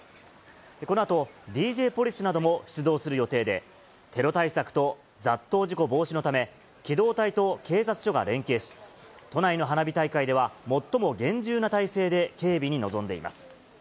このあと、ＤＪポリスなども出動する予定で、テロ対策と雑踏事故防止のため、機動隊と警察署が連携し、都内の花火大会では最も厳重な態勢で警備に臨んでいます。